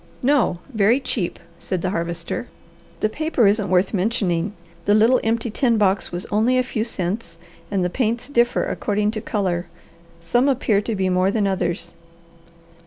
"No. Very cheap!" said the Harvester. "The paper isn't worth mentioning. The little, empty tin box was only a few cents, and the paints differ according to colour. Some appear to be more than others.